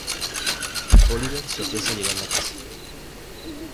Oliver se ofrece a llevarla a casa.